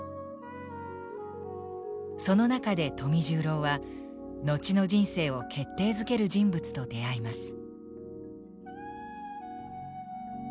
その中で富十郎は後の人生を決定づける人物と出会います。